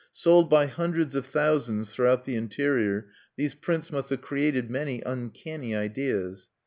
Sold by hundreds of thousands throughout the interior, these prints must have created many uncanny ideas.